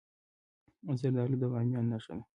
زردالو د بامیان نښه ده.